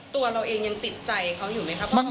ตัวเราเองยังติดใจเขาอยู่ไหมครับ